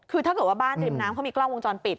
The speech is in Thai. คือถ้าเกิดว่าบ้านริมน้ำเขามีกล้องวงจรปิด